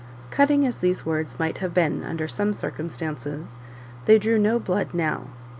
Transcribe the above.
Cutting as these words might have been under some circumstances, they drew no blood now.